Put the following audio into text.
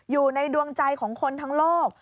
อยู่ในดวงใจของคนทั้งโลก